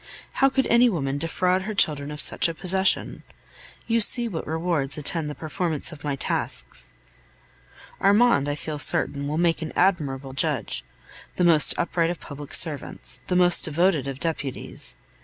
How could any woman defraud her children of such a possession? You see what rewards attend the performance of my tasks! Armand, I feel certain, will make an admirable judge, the most upright of public servants, the most devoted of deputies.